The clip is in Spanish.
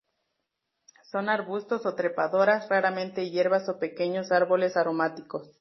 Son arbustos o trepadoras, raramente hierbas o pequeños árboles, aromáticos.